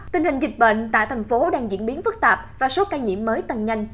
tình hình dịch bệnh tại thành phố đang diễn biến phức tạp và số ca nhiễm mới tăng nhanh